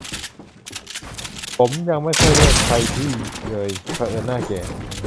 ผม ยังไม่ค่อยเรียกใครพี่เลย เผอิญหน้าแก่